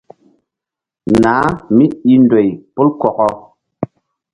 Nah míi ndoy pol kɔkɔ.